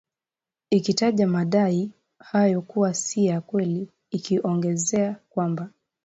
ikitaja madai hayo kuwa si ya kweli ikiongezea kwamba